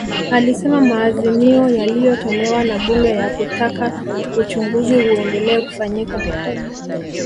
Alisema maazimio yaliyotolewa na Bunge ya kutaka uchunguzi uendelee kufanyika